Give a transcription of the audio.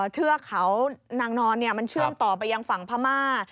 เทือกเขานางนอนมันเชื่อมต่อไปยังฝั่งพม่า